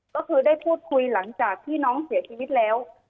ก็คือได้พูดคุยหลังจากที่น้องเสียชีวิตแล้ว